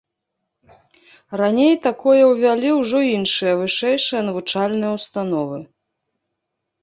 Раней такое ўвялі ўжо іншыя вышэйшыя навучальныя ўстановы.